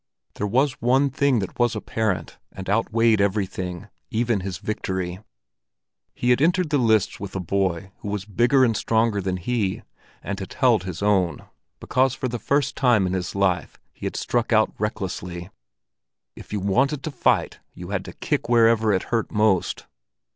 There was one thing that was apparent, and outweighed everything, even his victory. He had entered the lists with a boy who was bigger and stronger than he, and had held his own, because for the first time in his life he had struck out recklessly. If you wanted to fight, you had to kick wherever it hurt most.